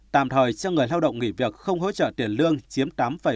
tạm thời cho người lao động nghỉ việc không hỗ trợ tiền lương chiếm tám bảy mươi năm